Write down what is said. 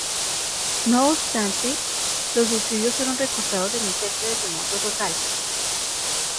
No obstante, los subsidios sólo fueron recortados en un tercio de su monto total.